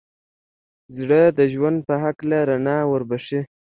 زړه د ژوند په هکله رڼا وربښي.